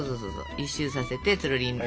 １周させてつるりんと。